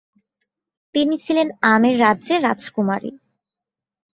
তিনি ছিলেন 'আমের' রাজ্যের রাজকুমারী।